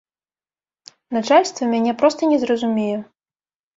Начальства мяне проста не зразумее.